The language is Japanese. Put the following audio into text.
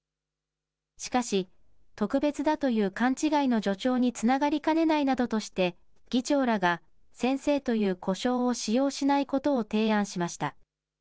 しかし、特別だという勘違いの助長につながりかねないなどとして、議長らが、先生という呼称を使用しないことを提案しました。